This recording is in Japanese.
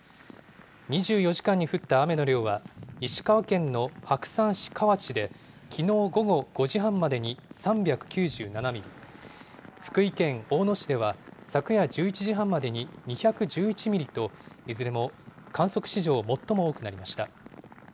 ２４時間に降った雨の量は、石川県の白山市河内できのう午後５時半までに３９７ミリ、福井県大野市では昨夜１１時半までに２１１ミリと、いずれも観測史上最も多くなりました。